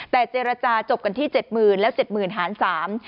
แต่เจรจาจบกันที่เจ็ดหมื่นแล้วเจ็ดหมื่นหารสาม